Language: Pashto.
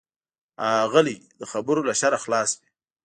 غلی، د خبرو له شره خلاص وي.